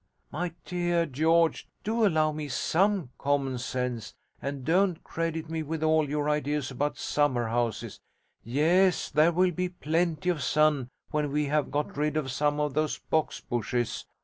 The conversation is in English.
'My dear George, do allow me some common sense, and don't credit me with all your ideas about summer houses. Yes, there will be plenty of sun when we have got rid of some of those box bushes.